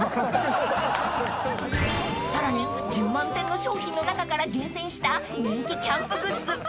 ［さらに１０万点の商品の中から厳選した人気キャンプグッズ